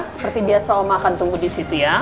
seperti biasa oma akan tunggu disitu ya